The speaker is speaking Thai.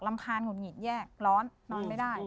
รำคาญขวดหงิดแยกร้อนนอนไม่ได้